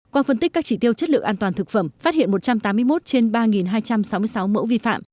qua phân tích các chỉ tiêu chất lượng an toàn thực phẩm phát hiện một trăm tám mươi một trên ba hai trăm sáu mươi sáu mẫu vi phạm